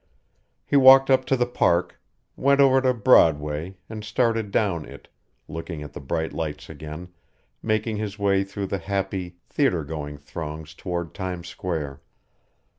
He walked up to the Park, went over to Broadway, and started down it, looking at the bright lights again, making his way through the happy, theater going throngs toward Times Square.